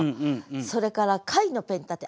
それから「貝のペン立て」。